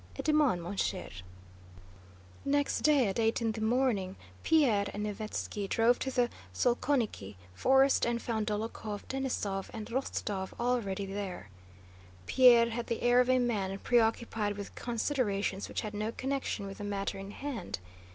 À demain, mon cher." Till tomorrow, my dear fellow. Next day, at eight in the morning, Pierre and Nesvítski drove to the Sokólniki forest and found Dólokhov, Denísov, and Rostóv already there. Pierre had the air of a man preoccupied with considerations which had no connection with the matter in hand.